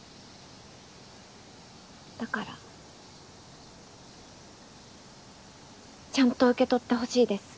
だからちゃんと受け取ってほしいです